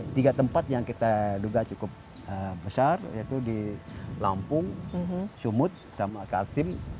tiga tempat yang kita duga cukup besar yaitu di lampung sumut sama kaltim